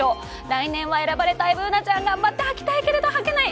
来年は選ばれたいＢｏｏｎａちゃん、頑張ってはきたいけど、はけない。